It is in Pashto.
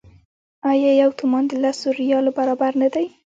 آیا یو تومان د لسو ریالو برابر نه دی؟